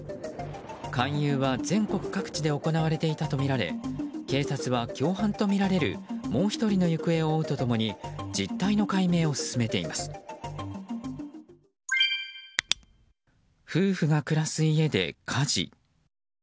勧誘は全国各地で行われていたとみられ警察は共犯とみられるもう１人の行方を追うと共に実態の解明を進めています。